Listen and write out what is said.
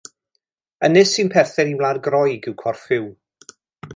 Ynys sy'n perthyn i wlad Groeg yw Corfu.